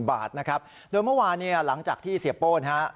บาทนะครับโดยเมื่อวานเนี่ยหลังจากที่เสียโป้นะฮะ